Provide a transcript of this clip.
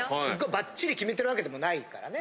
バッチリきめてるわけでもないからね。